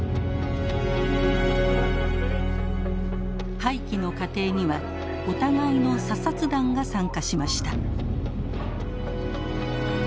廃棄の過程にはお互いの査察団が参加しました。